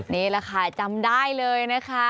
นี่แหละค่ะจำได้เลยนะคะ